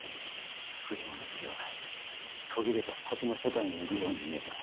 藤間菜月は途切れた先の世界にいるように見えた。